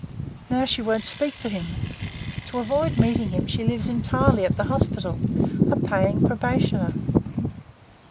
Now she won't speak to him. To avoid meeting him she lives entirely at the hospital a paying probationer."